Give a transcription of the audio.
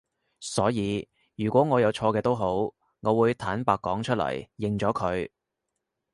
所以如果我有錯嘅都好我都會坦白講出嚟，認咗佢